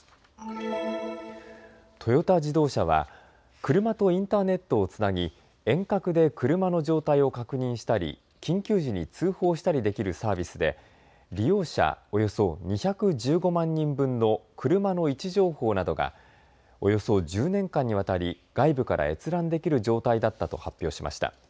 トヨタ自動車は車とインターネットをつなぎ遠隔で車の状態を確認したり緊急時に通報したりできるサービスで利用者およそ２１５万人分の車の位置情報などがおよそ１０年間にわたり外部から閲覧できる状態だったと発表しました。